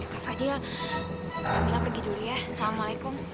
kak fadil kak camilla pergi dulu ya assalamualaikum